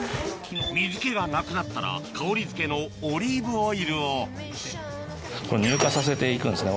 水気がなくなったら香りづけのオリーブオイルを乳化させていくんですね